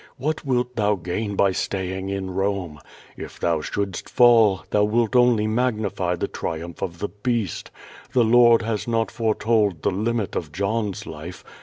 What wilt thou gain by stay ing in Rome? If thou shouldst fall, thou wilt only magnify the triumph of the Beast. The Lord has not foretold the limit of John's life.